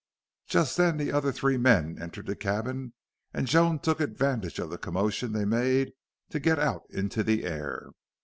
Just then the other three men entered the cabin and Joan took advantage of the commotion they made to get out into the air.